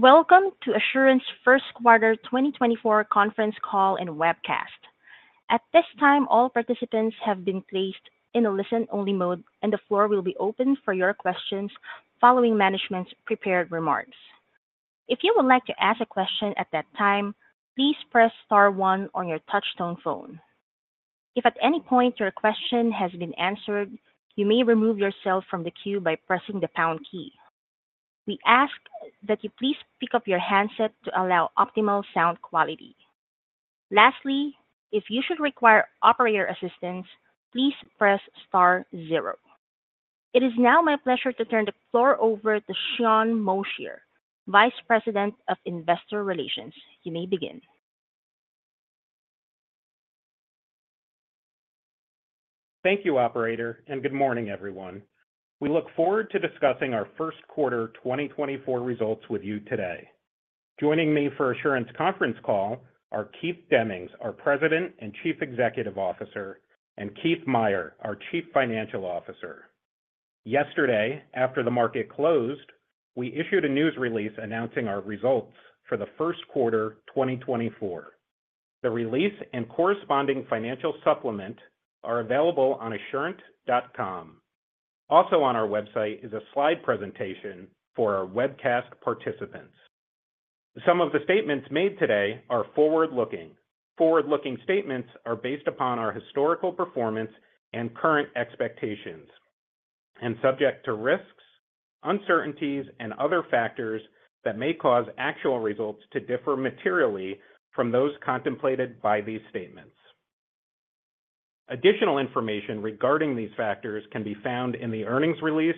Welcome to Assurant first quarter 2024 conference call and webcast. At this time, all participants have been placed in a listen-only mode, and the floor will be open for your questions following management's prepared remarks. If you would like to ask a question at that time, please press star one on your touch-tone phone. If at any point your question has been answered, you may remove yourself from the queue by pressing the pound key. We ask that you please pick up your handset to allow optimal sound quality. Lastly, if you should require operator assistance, please press star zero. It is now my pleasure to turn the floor over to Sean Moshier, Vice President of Investor Relations. You may begin. Thank you, Operator, and good morning, everyone. We look forward to discussing our First Quarter 2024 results with you today. Joining me for Assurant's conference call are Keith Demmings, our President and Chief Executive Officer, and Keith Meier, our Chief Financial Officer. Yesterday, after the market closed, we issued a news release announcing our results for the first quarter 2024. The release and corresponding financial supplement are available on assurant.com. Also on our website is a slide presentation for our webcast participants. Some of the statements made today are forward-looking. Forward-looking statements are based upon our historical performance and current expectations, and subject to risks, uncertainties, and other factors that may cause actual results to differ materially from those contemplated by these statements. Additional information regarding these factors can be found in the earnings release,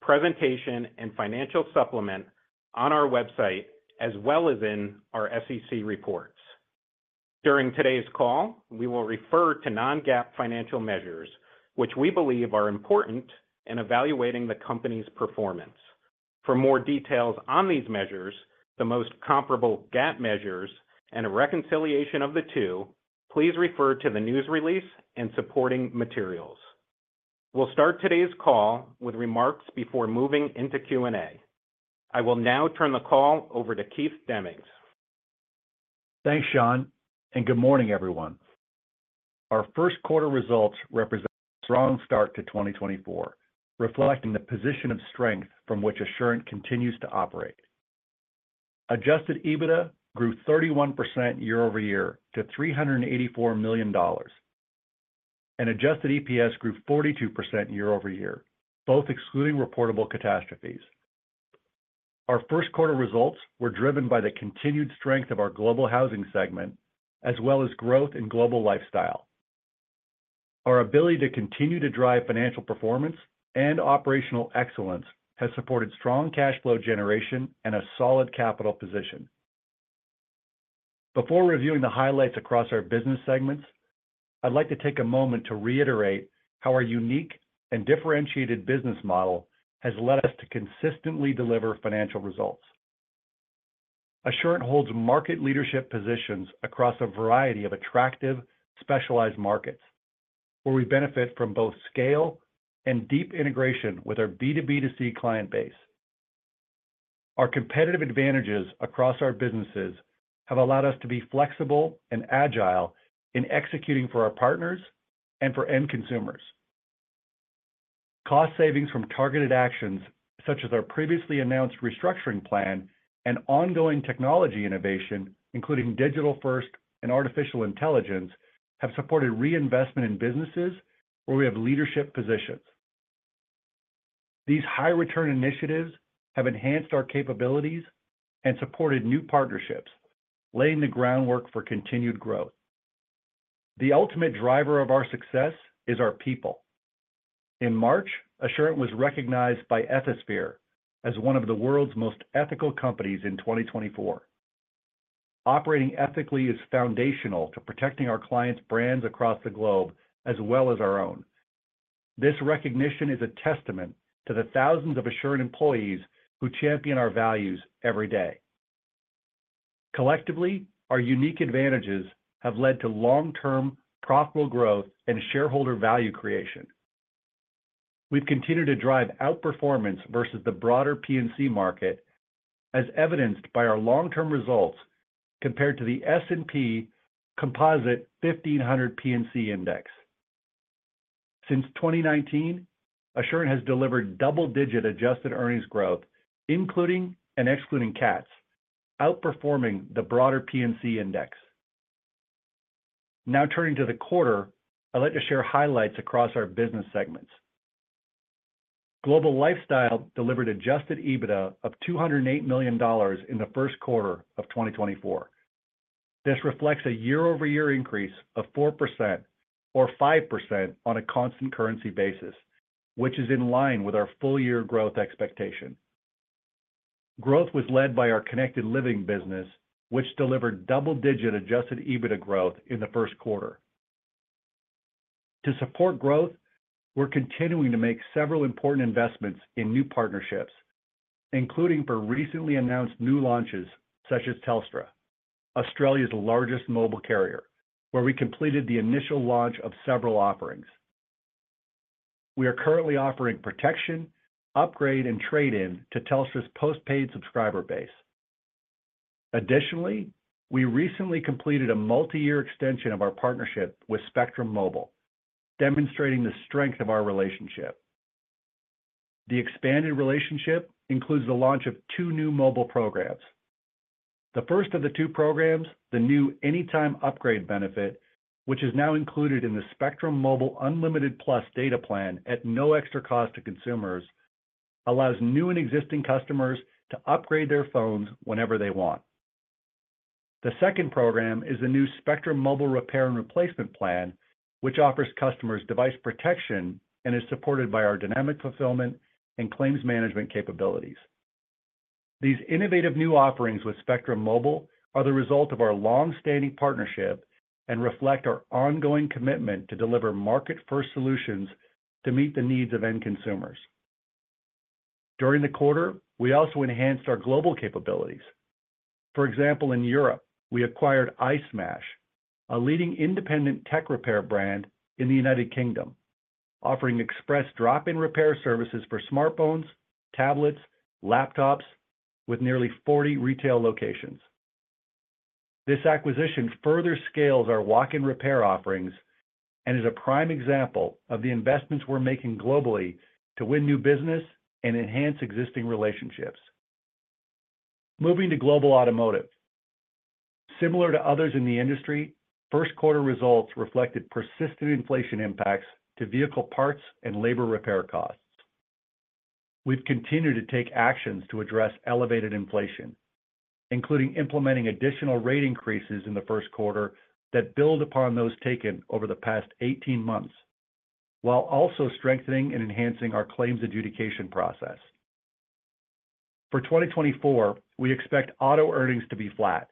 presentation, and financial supplement on our website, as well as in our SEC reports. During today's call, we will refer to non-GAAP financial measures, which we believe are important in evaluating the company's performance. For more details on these measures, the most comparable GAAP measures, and a reconciliation of the two, please refer to the news release and supporting materials. We'll start today's call with remarks before moving into Q&A. I will now turn the call over to Keith Demmings. Thanks, Sean, and good morning, everyone. Our first quarter results represent a strong start to 2024, reflecting the position of strength from which Assurant continues to operate. Adjusted EBITDA grew 31% year-over-year to $384 million, and adjusted EPS grew 42% year-over-year, both excluding reportable catastrophes. Our first quarter results were driven by the continued strength of our Global Housing segment, as well as growth in Global Lifestyle. Our ability to continue to drive financial performance and operational excellence has supported strong cash flow generation and a solid capital position. Before reviewing the highlights across our business segments, I'd like to take a moment to reiterate how our unique and differentiated business model has led us to consistently deliver financial results. Assurant holds market leadership positions across a variety of attractive, specialized markets, where we benefit from both scale and deep integration with our B2B2C client base. Our competitive advantages across our businesses have allowed us to be flexible and agile in executing for our partners and for end consumers. Cost savings from targeted actions, such as our previously announced restructuring plan and ongoing technology innovation, including digital-first and artificial intelligence, have supported reinvestment in businesses where we have leadership positions. These high-return initiatives have enhanced our capabilities and supported new partnerships, laying the groundwork for continued growth. The ultimate driver of our success is our people. In March, Assurant was recognized by Ethisphere as one of the world's most ethical companies in 2024. Operating ethically is foundational to protecting our clients' brands across the globe, as well as our own. This recognition is a testament to the thousands of Assurant employees who champion our values every day. Collectively, our unique advantages have led to long-term, profitable growth and shareholder value creation. We've continued to drive outperformance versus the broader P&C market, as evidenced by our long-term results compared to the S&P Composite 1500 P&C Index. Since 2019, Assurant has delivered double-digit adjusted earnings growth, including and excluding CATs, outperforming the broader P&C index. Now turning to the quarter, I'd like to share highlights across our business segments. Global Lifestyle delivered adjusted EBITDA of $208 million in the first quarter of 2024. This reflects a year-over-year increase of 4% or 5% on a constant currency basis, which is in line with our full-year growth expectation. Growth was led by our Connected Living business, which delivered double-digit adjusted EBITDA growth in the first quarter. To support growth, we're continuing to make several important investments in new partnerships, including for recently announced new launches such as Telstra, Australia's largest mobile carrier, where we completed the initial launch of several offerings. We are currently offering protection, upgrade, and trade-in to Telstra's postpaid subscriber base. Additionally, we recently completed a multi-year extension of our partnership with Spectrum Mobile, demonstrating the strength of our relationship. The expanded relationship includes the launch of two new mobile programs. The first of the two programs, the new Anytime Upgrade benefit, which is now included in the Spectrum Mobile Unlimited Plus data plan at no extra cost to consumers, allows new and existing customers to upgrade their phones whenever they want. The second program is the new Spectrum Mobile Repair and Replacement Plan, which offers customers device protection and is supported by our dynamic fulfillment and claims management capabilities. These innovative new offerings with Spectrum Mobile are the result of our longstanding partnership and reflect our ongoing commitment to deliver market-first solutions to meet the needs of end consumers. During the quarter, we also enhanced our global capabilities. For example, in Europe, we acquired iSmash, a leading independent tech repair brand in the United Kingdom, offering express drop-in repair services for smartphones, tablets, laptops, with nearly 40 retail locations. This acquisition further scales our walk-in repair offerings and is a prime example of the investments we're making globally to win new business and enhance existing relationships. Moving to Global Automotive. Similar to others in the industry, first quarter results reflected persistent inflation impacts to vehicle parts and labor repair costs. We've continued to take actions to address elevated inflation, including implementing additional rate increases in the first quarter that build upon those taken over the past 18 months, while also strengthening and enhancing our claims adjudication process. For 2024, we expect auto earnings to be flat.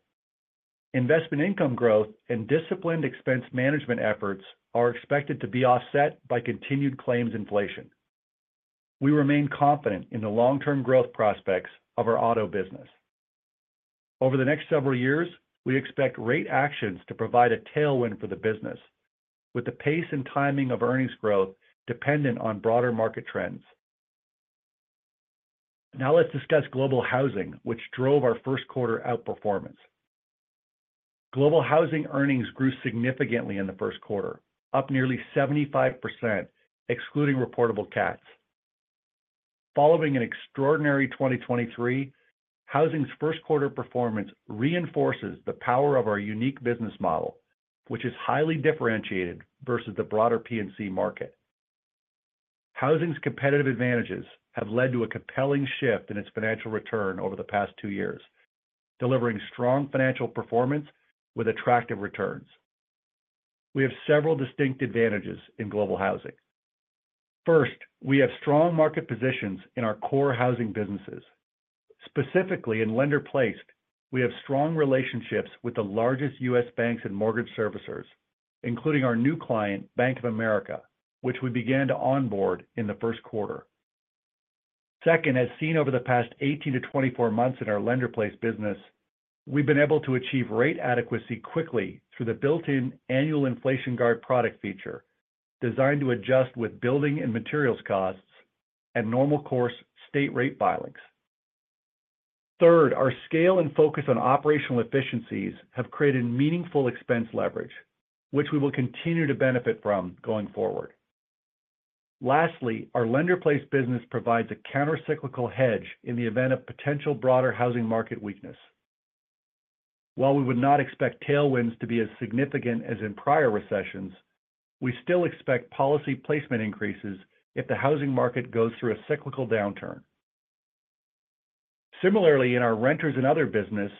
Investment income growth and disciplined expense management efforts are expected to be offset by continued claims inflation. We remain confident in the long-term growth prospects of our auto business. Over the next several years, we expect rate actions to provide a tailwind for the business, with the pace and timing of earnings growth dependent on broader market trends. Now let's discuss Global Housing, which drove our first quarter outperformance. Global Housing earnings grew significantly in the first quarter, up nearly 75%, excluding reportable CATs. Following an extraordinary 2023, Housing's first quarter performance reinforces the power of our unique business model, which is highly differentiated versus the broader P&C market. Housing's competitive advantages have led to a compelling shift in its financial return over the past two years, delivering strong financial performance with attractive returns. We have several distinct advantages in Global Housing. First, we have strong market positions in our core housing businesses. Specifically, in lender-placed, we have strong relationships with the largest U.S. banks and mortgage servicers, including our new client, Bank of America, which we began to onboard in the first quarter. Second, as seen over the past 18-24 months in our lender-placed business, we've been able to achieve rate adequacy quickly through the built-in annual Inflation Guard product feature, designed to adjust with building and materials costs and normal-course state rate filings. Third, our scale and focus on operational efficiencies have created meaningful expense leverage, which we will continue to benefit from going forward. Lastly, our lender-placed business provides a countercyclical hedge in the event of potential broader housing market weakness. While we would not expect tailwinds to be as significant as in prior recessions, we still expect policy placement increases if the housing market goes through a cyclical downturn. Similarly, in our renters and other business,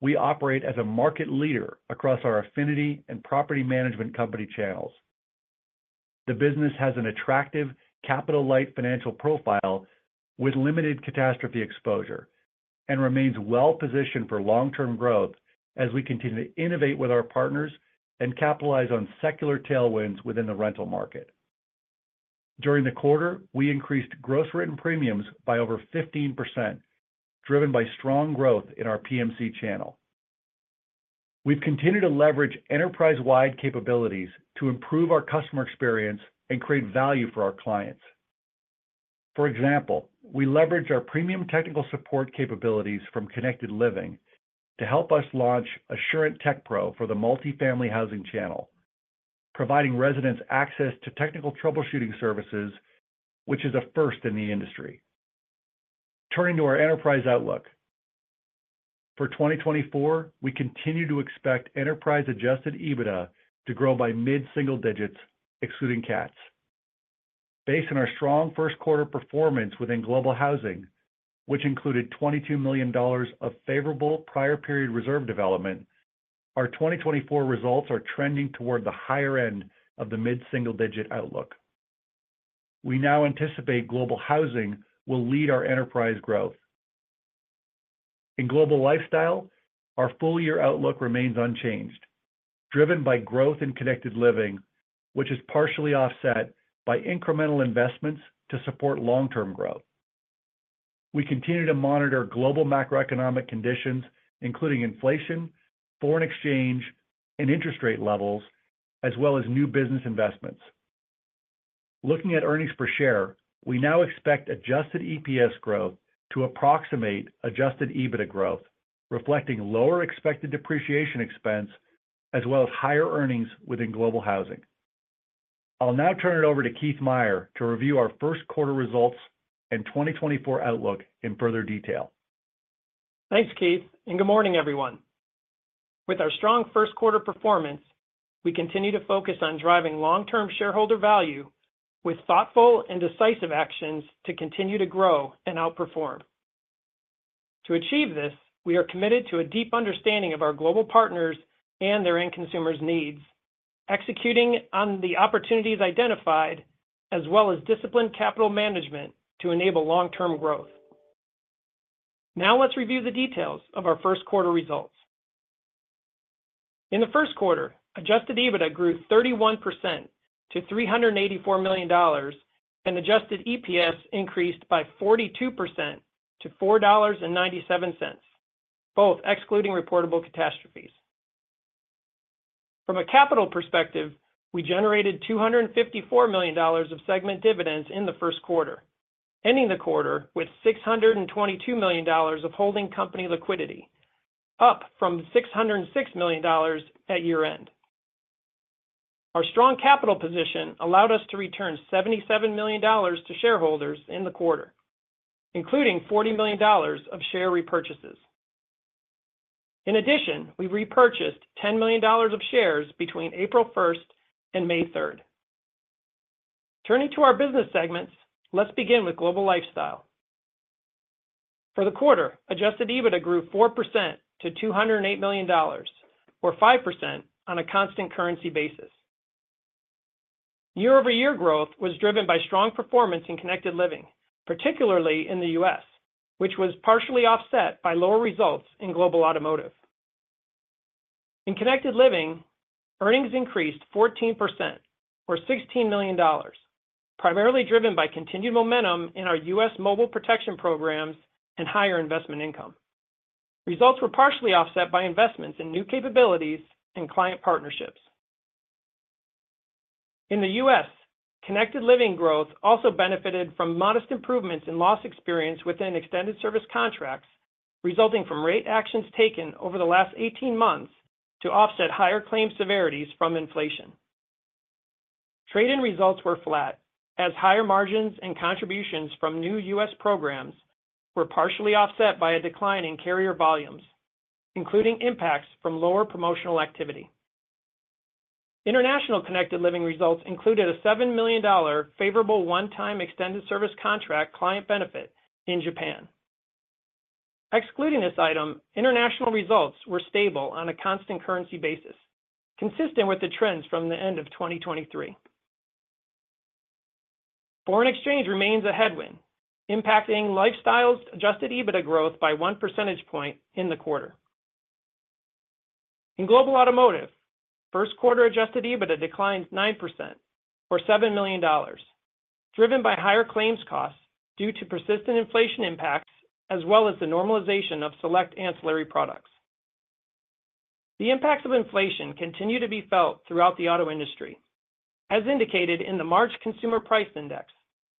we operate as a market leader across our affinity and property management company channels. The business has an attractive, capital-light financial profile with limited catastrophe exposure and remains well-positioned for long-term growth as we continue to innovate with our partners and capitalize on secular tailwinds within the rental market. During the quarter, we increased gross written premiums by over 15%, driven by strong growth in our P&C channel. We've continued to leverage enterprise-wide capabilities to improve our customer experience and create value for our clients. For example, we leverage our premium technical support capabilities from Connected Living to help us launch Assurant TechPro for the multifamily housing channel, providing residents access to technical troubleshooting services, which is a first in the industry. Turning to our enterprise outlook. For 2024, we continue to expect enterprise-adjusted EBITDA to grow by mid-single digits, excluding CATs. Based on our strong first quarter performance within Global Housing, which included $22 million of favorable prior-period reserve development, our 2024 results are trending toward the higher end of the mid-single digit outlook. We now anticipate Global Housing will lead our enterprise growth. In Global Lifestyle, our full-year outlook remains unchanged, driven by growth in Connected Living, which is partially offset by incremental investments to support long-term growth. We continue to monitor global macroeconomic conditions, including inflation, foreign exchange, and interest rate levels, as well as new business investments. Looking at earnings per share, we now expect Adjusted EPS growth to approximate adjusted EBITDA growth, reflecting lower expected depreciation expense as well as higher earnings within Global Housing. I'll now turn it over to Keith Meier to review our first quarter results and 2024 outlook in further detail. Thanks, Keith, and good morning, everyone. With our strong first quarter performance, we continue to focus on driving long-term shareholder value with thoughtful and decisive actions to continue to grow and outperform. To achieve this, we are committed to a deep understanding of our global partners and their end consumers' needs, executing on the opportunities identified, as well as disciplined capital management to enable long-term growth. Now let's review the details of our first quarter results. In the first quarter, adjusted EBITDA grew 31% to $384 million, and adjusted EPS increased by 42% to $4.97, both excluding reportable catastrophes. From a capital perspective, we generated $254 million of segment dividends in the first quarter, ending the quarter with $622 million of holding company liquidity, up from $606 million at year-end. Our strong capital position allowed us to return $77 million to shareholders in the quarter, including $40 million of share repurchases. In addition, we repurchased $10 million of shares between April 1st and May 3rd. Turning to our business segments, let's begin with Global Lifestyle. For the quarter, adjusted EBITDA grew 4% to $208 million, or 5% on a constant currency basis. Year-over-year growth was driven by strong performance in Connected Living, particularly in the U.S., which was partially offset by lower results in Global Automotive. In Connected Living, earnings increased 14%, or $16 million, primarily driven by continued momentum in our U.S. mobile protection programs and higher investment income. Results were partially offset by investments in new capabilities and client partnerships. In the U.S., Connected Living growth also benefited from modest improvements in loss experience within extended service contracts, resulting from rate actions taken over the last 18 months to offset higher claim severities from inflation. Trade-in results were flat, as higher margins and contributions from new U.S. programs were partially offset by a decline in carrier volumes, including impacts from lower promotional activity. International Connected Living results included a $7 million favorable one-time extended service contract client benefit in Japan. Excluding this item, international results were stable on a constant currency basis, consistent with the trends from the end of 2023. Foreign exchange remains a headwind, impacting Lifestyle's adjusted EBITDA growth by one percentage point in the quarter. In Global Automotive, first quarter adjusted EBITDA declined 9%, or $7 million, driven by higher claims costs due to persistent inflation impacts as well as the normalization of select ancillary products. The impacts of inflation continue to be felt throughout the auto industry, as indicated in the March Consumer Price Index,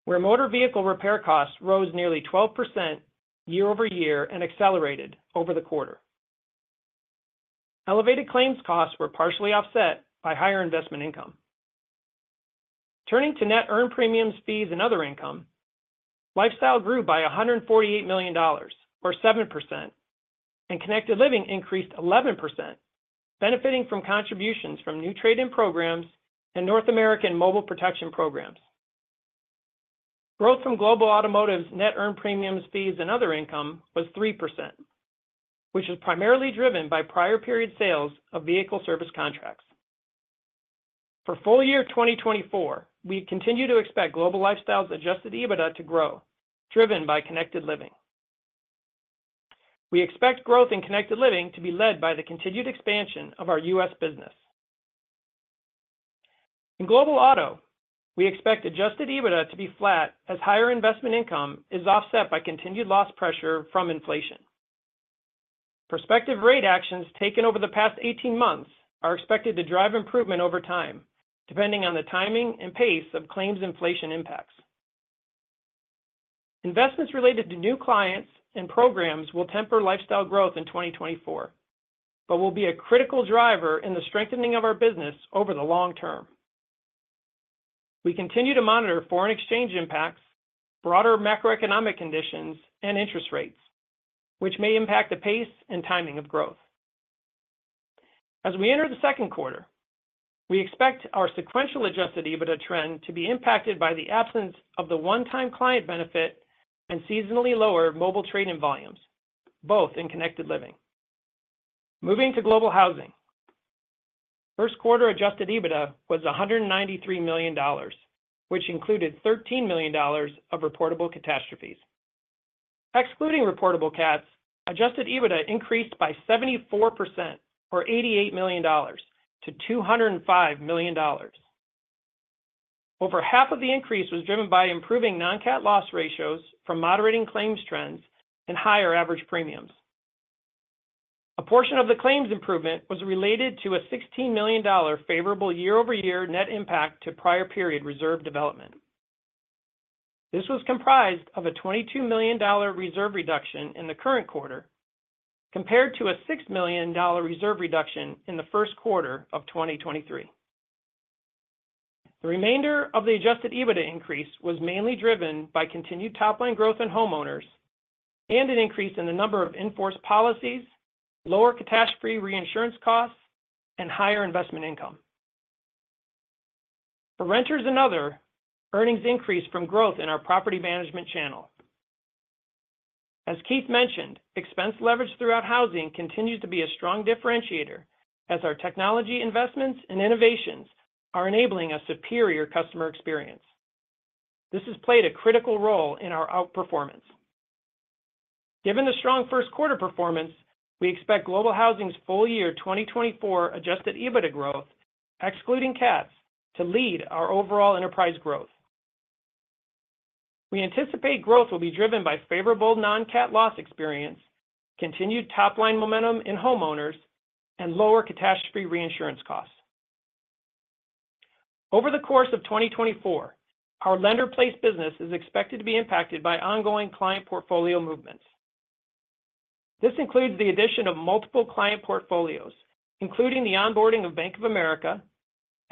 where motor vehicle repair costs rose nearly 12% year-over-year and accelerated over the quarter. Elevated claims costs were partially offset by higher investment income. Turning to net earned premiums, fees, and other income, Global Lifestyle grew by $148 million, or 7%, and Connected Living increased 11%, benefiting from contributions from new trade-in programs and North American mobile protection programs. Growth from Global Automotive's net earned premiums, fees, and other income was 3%, which was primarily driven by prior-period sales of vehicle service contracts. For full year 2024, we continue to expect Global Lifestyle's adjusted EBITDA to grow, driven by Connected Living. We expect growth in Connected Living to be led by the continued expansion of our U.S. business. In Global Auto, we expect adjusted EBITDA to be flat, as higher investment income is offset by continued loss pressure from inflation. Prospective rate actions taken over the past 18 months are expected to drive improvement over time, depending on the timing and pace of claims inflation impacts. Investments related to new clients and programs will temper Lifestyle growth in 2024, but will be a critical driver in the strengthening of our business over the long term. We continue to monitor foreign exchange impacts, broader macroeconomic conditions, and interest rates, which may impact the pace and timing of growth. As we enter the second quarter, we expect our sequential adjusted EBITDA trend to be impacted by the absence of the one-time client benefit and seasonally lower mobile trade-in volumes, both in Connected Living. Moving to Global Housing. First quarter adjusted EBITDA was $193 million, which included $13 million of reportable catastrophes. Excluding reportable CATs, adjusted EBITDA increased by 74%, or $88 million, to $205 million. Over half of the increase was driven by improving non-CAT loss ratios from moderating claims trends and higher average premiums. A portion of the claims improvement was related to a $16 million favorable year-over-year net impact to prior-period reserve development. This was comprised of a $22 million reserve reduction in the current quarter compared to a $6 million reserve reduction in the first quarter of 2023. The remainder of the adjusted EBITDA increase was mainly driven by continued top-line growth in homeowners and an increase in the number of in-forced policies, lower catastrophe reinsurance costs, and higher investment income. For renters and others, earnings increased from growth in our property management channel. As Keith mentioned, expense leverage throughout housing continues to be a strong differentiator, as our technology investments and innovations are enabling a superior customer experience. This has played a critical role in our outperformance. Given the strong first quarter performance, we expect Global Housing's full year 2024 adjusted EBITDA growth, excluding CATs, to lead our overall enterprise growth. We anticipate growth will be driven by favorable non-CAT loss experience, continued top-line momentum in homeowners, and lower catastrophe reinsurance costs. Over the course of 2024, our lender-placed business is expected to be impacted by ongoing client portfolio movements. This includes the addition of multiple client portfolios, including the onboarding of Bank of America,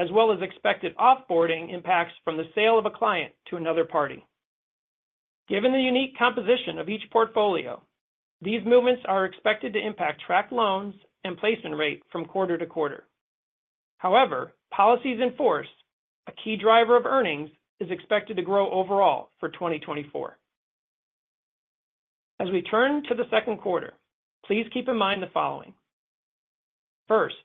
as well as expected offboarding impacts from the sale of a client to another party. Given the unique composition of each portfolio, these movements are expected to impact tracked loans and placement rate from quarter-to-quarter. However, policies in force, a key driver of earnings, is expected to grow overall for 2024. As we turn to the second quarter, please keep in mind the following. First,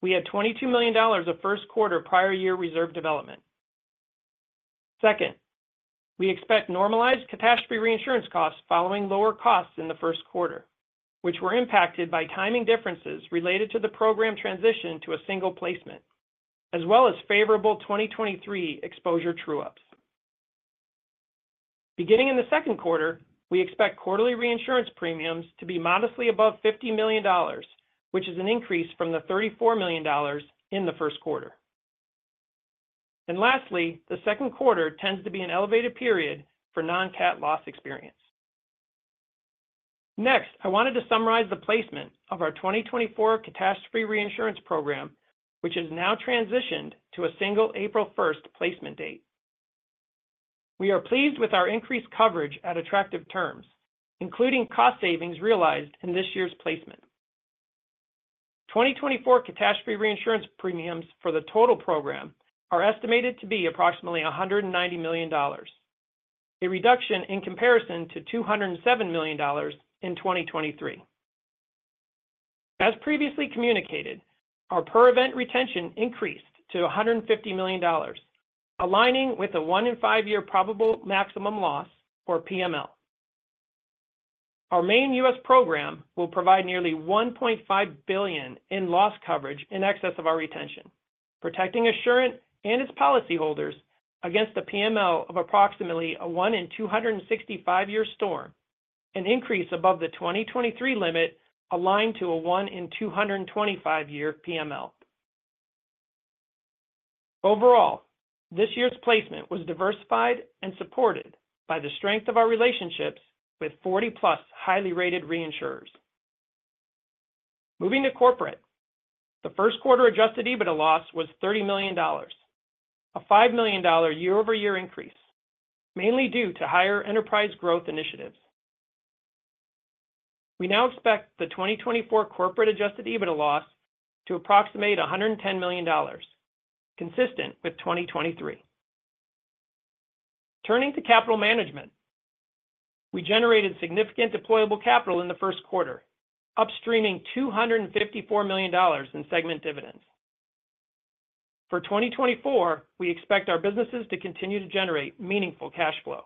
we had $22 million of first quarter prior-year reserve development. Second, we expect normalized catastrophe reinsurance costs following lower costs in the first quarter, which were impacted by timing differences related to the program transition to a single placement, as well as favorable 2023 exposure true-ups. Beginning in the second quarter, we expect quarterly reinsurance premiums to be modestly above $50 million, which is an increase from the $34 million in the first quarter. Lastly, the second quarter tends to be an elevated period for non-CAT loss experience. Next, I wanted to summarize the placement of our 2024 catastrophe reinsurance program, which has now transitioned to a single April 1st placement date. We are pleased with our increased coverage at attractive terms, including cost savings realized in this year's placement. 2024 catastrophe reinsurance premiums for the total program are estimated to be approximately $190 million, a reduction in comparison to $207 million in 2023. As previously communicated, our per-event retention increased to $150 million, aligning with a one-in-five-year probable maximum loss, or PML. Our main U.S. program will provide nearly $1.5 billion in loss coverage in excess of our retention, protecting Assurant and its policyholders against a PML of approximately a one-in-265-year storm, an increase above the 2023 limit aligned to a one-in-225-year PML. Overall, this year's placement was diversified and supported by the strength of our relationships with 40+ highly rated reinsurers. Moving to corporate, the first quarter adjusted EBITDA loss was $30 million, a $5 million year-over-year increase, mainly due to higher enterprise growth initiatives. We now expect the 2024 corporate adjusted EBITDA loss to approximate $110 million, consistent with 2023. Turning to capital management, we generated significant deployable capital in the first quarter, upstreaming $254 million in segment dividends. For 2024, we expect our businesses to continue to generate meaningful cash flow.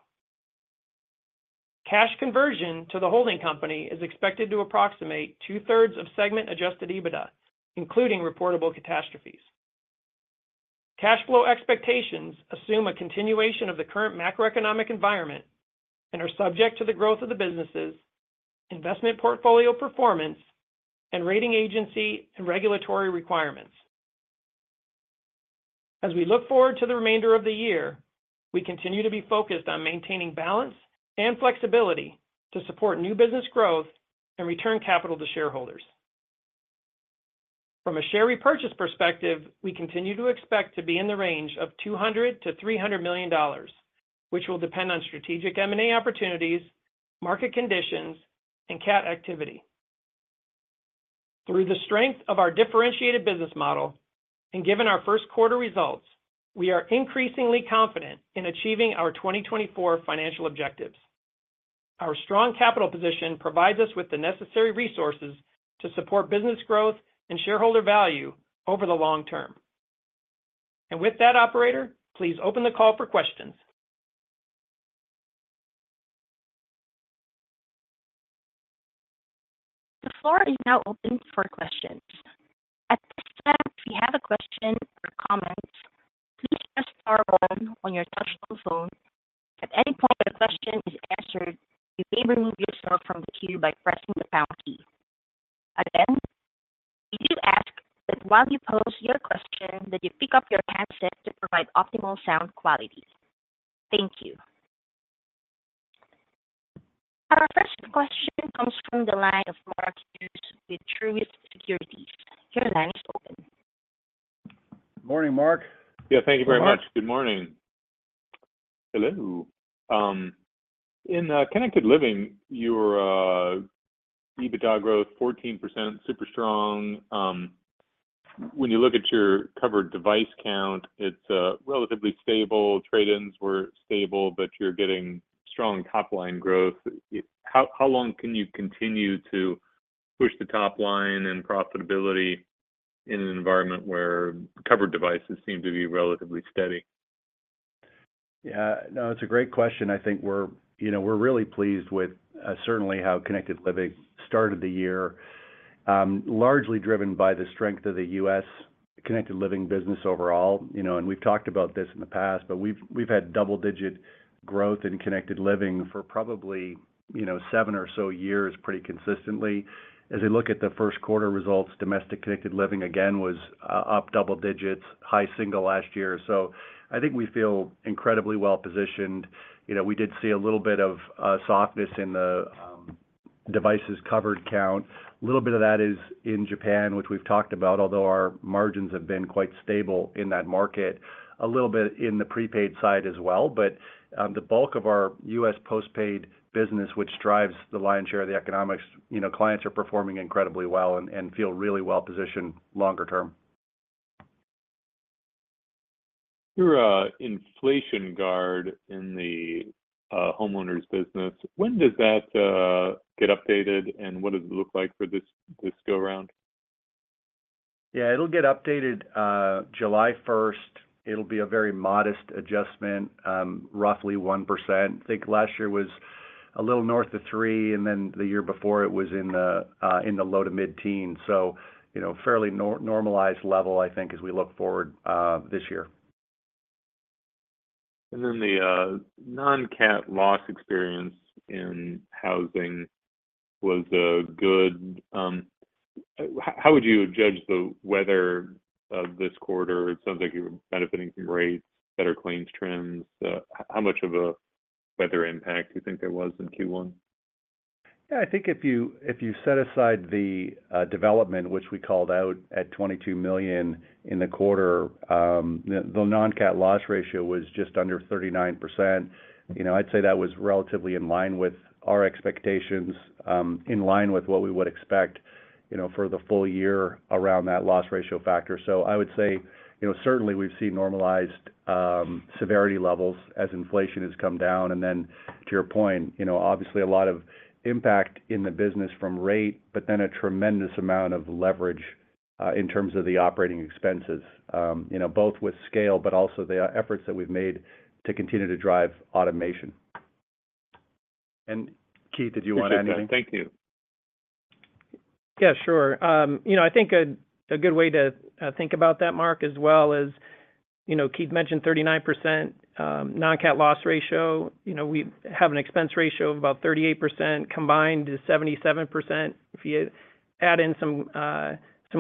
Cash conversion to the holding company is expected to approximate 2/3 of segment adjusted EBITDA, including reportable catastrophes. Cash flow expectations assume a continuation of the current macroeconomic environment and are subject to the growth of the businesses, investment portfolio performance, and rating agency and regulatory requirements. As we look forward to the remainder of the year, we continue to be focused on maintaining balance and flexibility to support new business growth and return capital to shareholders. From a share repurchase perspective, we continue to expect to be in the range of $200 million-$300 million, which will depend on strategic M&A opportunities, market conditions, and CAT activity. Through the strength of our differentiated business model and given our first quarter results, we are increasingly confident in achieving our 2024 financial objectives. Our strong capital position provides us with the necessary resources to support business growth and shareholder value over the long term. And with that, operator, please open the call for questions. The floor is now open for questions. At this time, if you have a question or comment, please press star one on your touchscreen phone. At any point where the question is answered, you may remove yourself from the queue by pressing the pound key. Again, we do ask that while you pose your question, that you pick up your handset to provide optimal sound quality. Thank you. Our first question comes from the line of Mark Hughes with Truist Securities. Your line is open. Morning, Mark. Yeah, thank you very much. Good morning. Hello. In Connected Living, your EBITDA growth is 14%, super strong. When you look at your covered device count, it's relatively stable. Trade-ins were stable, but you're getting strong top-line growth. How long can you continue to push the top line and profitability in an environment where covered devices seem to be relatively steady? Yeah. No, it's a great question. I think we're really pleased with certainly how Connected Living started the year, largely driven by the strength of the U.S. Connected Living business overall. And we've talked about this in the past, but we've had double-digit growth in Connected Living for probably seven or so years pretty consistently. As I look at the first quarter results, domestic Connected Living, again, was up double digits, high single last year. So I think we feel incredibly well-positioned. We did see a little bit of softness in the devices covered count. A little bit of that is in Japan, which we've talked about, although our margins have been quite stable in that market, a little bit in the prepaid side as well. But the bulk of our U.S. postpaid business, which drives the lion's share of the economics, clients are performing incredibly well and feel really well-positioned longer term. Your Inflation Guard in the homeowners' business, when does that get updated, and what does it look like for this go-around? Yeah, it'll get updated July 1st. It'll be a very modest adjustment, roughly 1%. I think last year was a little north of 3%, and then the year before, it was in the low to mid-teens. So fairly normalized level, I think, as we look forward this year. And then the non-CAT loss experience in housing was good. How would you judge the weather of this quarter? It sounds like you were benefiting from rates, better claims trends. How much of a weather impact do you think there was in Q1? Yeah, I think if you set aside the development, which we called out at $22 million in the quarter, the non-CAT loss ratio was just under 39%. I'd say that was relatively in line with our expectations, in line with what we would expect for the full year around that loss ratio factor. So I would say certainly we've seen normalized severity levels as inflation has come down. And then to your point, obviously, a lot of impact in the business from rate, but then a tremendous amount of leverage in terms of the operating expenses, both with scale but also the efforts that we've made to continue to drive automation. And Keith, did you want to add anything? Thank you. Yeah, sure. I think a good way to think about that, Mark, as well is Keith mentioned 39% non-CAT loss ratio. We have an expense ratio of about 38% combined to 77%. If you add in some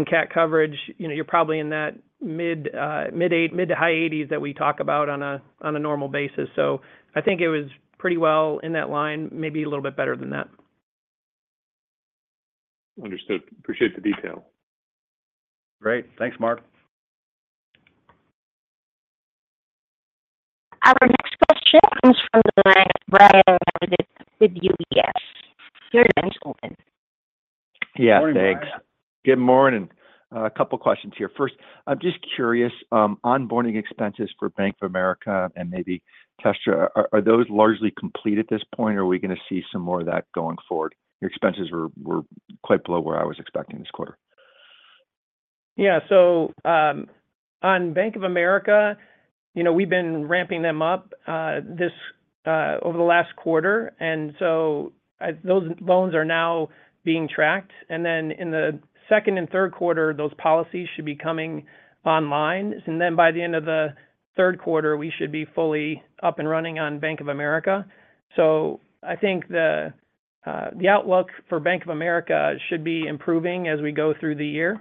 CAT coverage, you're probably in that mid-80s, mid to high 80s that we talk about on a normal basis. So I think it was pretty well in that line, maybe a little bit better than that. Understood. Appreciate the detail. Great. Thanks, Mark. Our next question comes from the line of Brian Meredith with UBS. Your line is open. Yeah, thanks. Good morning. A couple of questions here. First, I'm just curious, onboarding expenses for Bank of America and maybe Telstra, are those largely complete at this point, or are we going to see some more of that going forward? Your expenses were quite below where I was expecting this quarter. Yeah. So on Bank of America, we've been ramping them up over the last quarter. And so those loans are now being tracked. And then in the second and third quarter, those policies should be coming online. And then by the end of the third quarter, we should be fully up and running on Bank of America. So I think the outlook for Bank of America should be improving as we go through the year.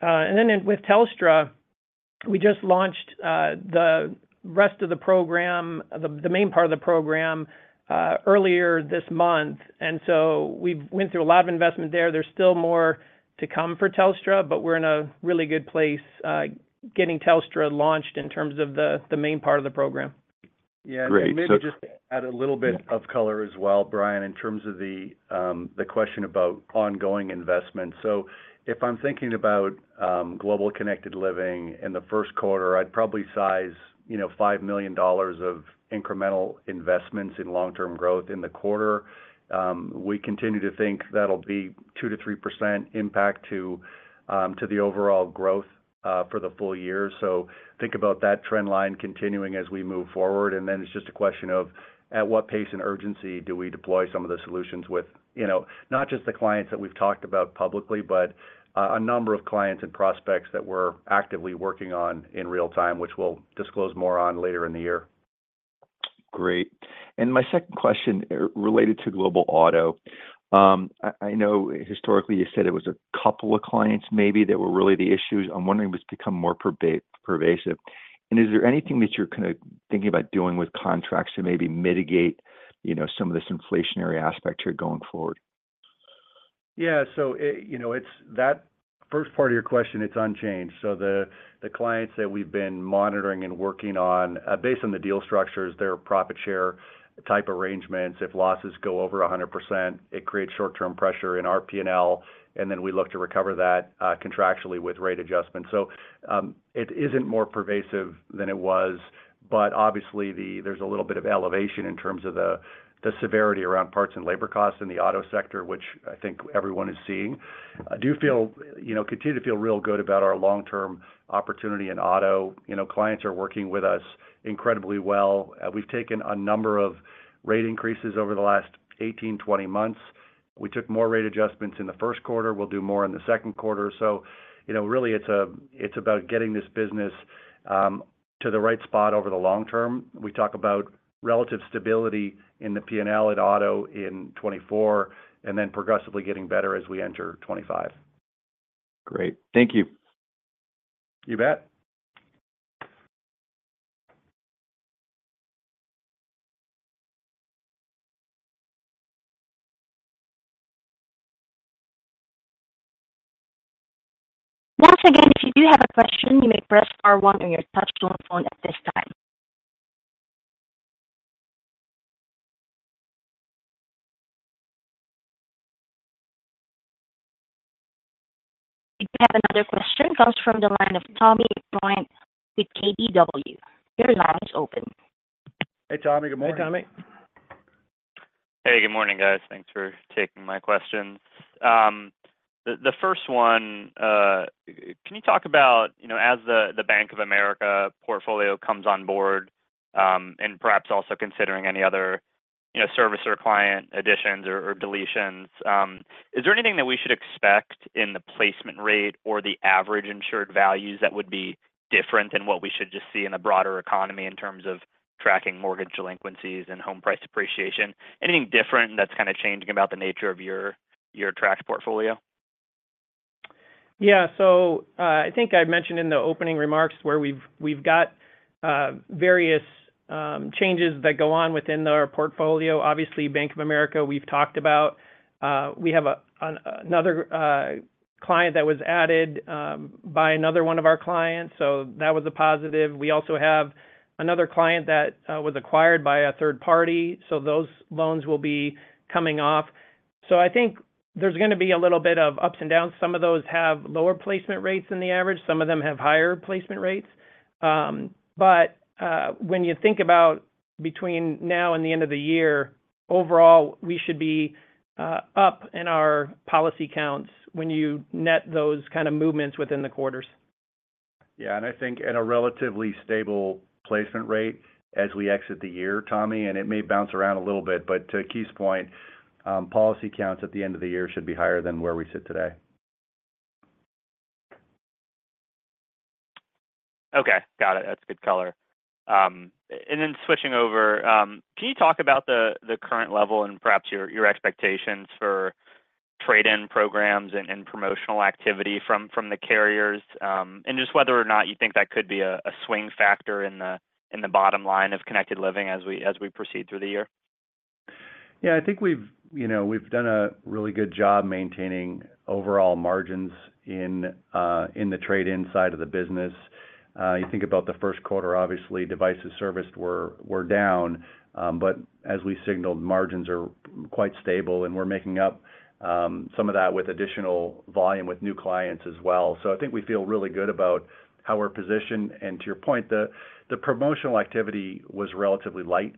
And then with Telstra, we just launched the rest of the program, the main part of the program, earlier this month. And so we went through a lot of investment there. There's still more to come for Telstra, but we're in a really good place getting Telstra launched in terms of the main part of the program. Yeah. Great. So maybe just to add a little bit of color as well, Brian, in terms of the question about ongoing investments. So if I'm thinking about global connected living in the first quarter, I'd probably size $5 million of incremental investments in long-term growth in the quarter. We continue to think that'll be 2%-3% impact to the overall growth for the full year. So think about that trend line continuing as we move forward. And then it's just a question of at what pace and urgency do we deploy some of the solutions with not just the clients that we've talked about publicly, but a number of clients and prospects that we're actively working on in real time, which we'll disclose more on later in the year. Great. And my second question related to Global Auto. I know historically, you said it was a couple of clients maybe that were really the issues. I'm wondering if it's become more pervasive. And is there anything that you're kind of thinking about doing with contracts to maybe mitigate some of this inflationary aspect here going forward? Yeah. So that first part of your question, it's unchanged. So the clients that we've been monitoring and working on, based on the deal structures, their profit share type arrangements, if losses go over 100%, it creates short-term pressure in our P&L. And then we look to recover that contractually with rate adjustments. So it isn't more pervasive than it was. But obviously, there's a little bit of elevation in terms of the severity around parts and labor costs in the auto sector, which I think everyone is seeing. I do continue to feel real good about our long-term opportunity in auto. Clients are working with us incredibly well. We've taken a number of rate increases over the last 18, 20 months. We took more rate adjustments in the first quarter. We'll do more in the second quarter. So really, it's about getting this business to the right spot over the long term. We talk about relative stability in the P&L at auto in 2024 and then progressively getting better as we enter 2025. Great. Thank you. You bet. Once again, if you do have a question, you may press star 1 on your touchscreen phone at this time. We do have another question. It comes from the line of Tommy McJoynt with KBW. Your line is open. Hey, Tommy. Good morning. Hey, Tommy. Hey, good morning, guys. Thanks for taking my questions. The first one, can you talk about as the Bank of America portfolio comes on board and perhaps also considering any other service or client additions or deletions, is there anything that we should expect in the placement rate or the average insured values that would be different than what we should just see in the broader economy in terms of tracking mortgage delinquencies and home price appreciation? Anything different that's kind of changing about the nature of your tracked portfolio? Yeah. So I think I mentioned in the opening remarks where we've got various changes that go on within our portfolio. Obviously, Bank of America, we've talked about. We have another client that was added by another one of our clients. So that was a positive. We also have another client that was acquired by a third party. So those loans will be coming off. So I think there's going to be a little bit of ups and downs. Some of those have lower placement rates than the average. Some of them have higher placement rates. But when you think about between now and the end of the year, overall, we should be up in our policy counts when you net those kind of movements within the quarters. Yeah. And I think at a relatively stable placement rate as we exit the year, Tommy, and it may bounce around a little bit, but to Keith's point, policy counts at the end of the year should be higher than where we sit today. Okay. Got it. That's good color. And then switching over, can you talk about the current level and perhaps your expectations for trade-in programs and promotional activity from the carriers and just whether or not you think that could be a swing factor in the bottom line of Connected Living as we proceed through the year? Yeah. I think we've done a really good job maintaining overall margins in the trade-in side of the business. You think about the first quarter, obviously, devices serviced were down. But as we signaled, margins are quite stable, and we're making up some of that with additional volume with new clients as well. So I think we feel really good about how we're positioned. And to your point, the promotional activity was relatively light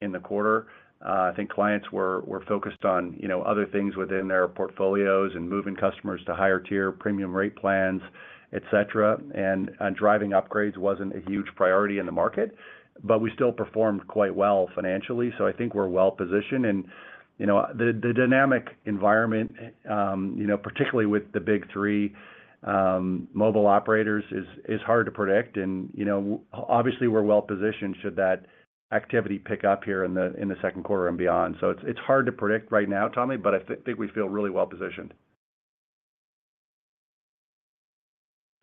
in the quarter. I think clients were focused on other things within their portfolios and moving customers to higher-tier, premium rate plans, etc. And driving upgrades wasn't a huge priority in the market. But we still performed quite well financially. So I think we're well-positioned. And the dynamic environment, particularly with the big three mobile operators, is hard to predict. And obviously, we're well-positioned should that activity pick up here in the second quarter and beyond. So it's hard to predict right now, Tommy, but I think we feel really well-positioned.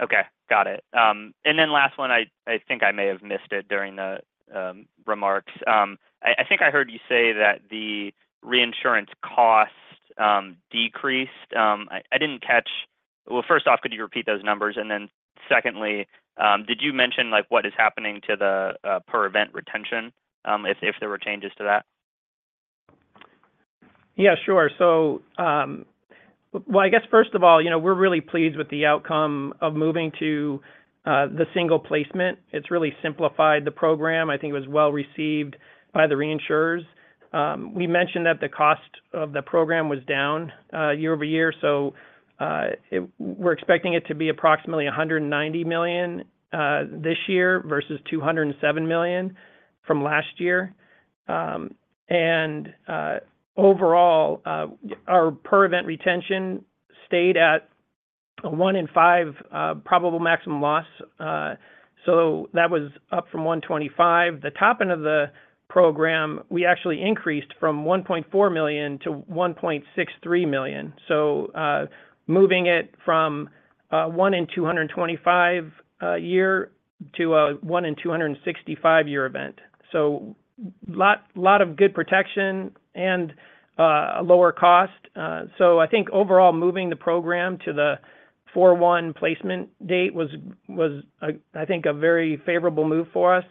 Okay. Got it. And then last one, I think I may have missed it during the remarks. I think I heard you say that the reinsurance cost decreased. I didn't catch well, first off, could you repeat those numbers? And then secondly, did you mention what is happening to the per-event retention if there were changes to that? Yeah, sure. So well, I guess first of all, we're really pleased with the outcome of moving to the single placement. It's really simplified the program. I think it was well-received by the reinsurers. We mentioned that the cost of the program was down year-over-year. So we're expecting it to be approximately $190 million this year versus $207 million from last year. And overall, our per-event retention stayed at one-in-five probable maximum loss. So that was up from $125 million. The top end of the program, we actually increased from $1.4 million to $1.63 million. So moving it from one-in-225-year to a one-in-265-year event. So a lot of good protection and a lower cost. So I think overall, moving the program to the 4/1 placement date was, I think, a very favorable move for us.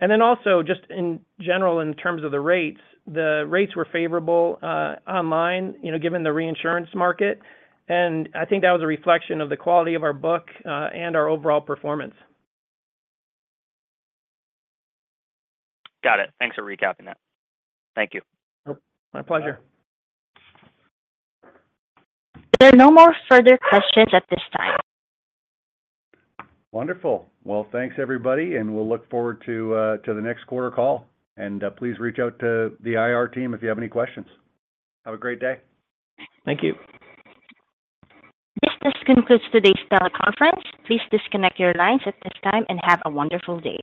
And then also just in general, in terms of the rates, the rates were favorable online given the reinsurance market. And I think that was a reflection of the quality of our book and our overall performance. Got it. Thanks for recapping that. Thank you. My pleasure. There are no more further questions at this time. Wonderful. Well, thanks, everybody. And we'll look forward to the next quarter call. And please reach out to the IR team if you have any questions. Have a great day. Thank you. This concludes today's teleconference. Please disconnect your lines at this time and have a wonderful day.